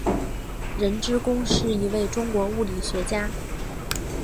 任之恭是一位中国物理学家。